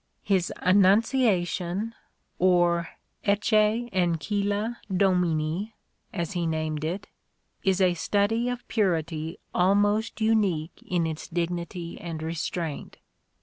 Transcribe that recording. His Annunciation or Ecce Ancilla Domini as he named it, is a study of purity almost unique in its dignity and restraint.